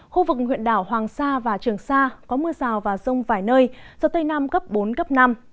khu vực huyện đảo hoàng sa và trường sa có mưa rào và rông vài nơi gió tây nam cấp bốn cấp năm